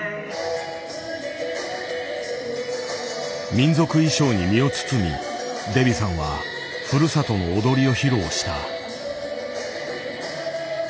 民族衣装に身を包みデビさんはふるさとの踊りを披露した。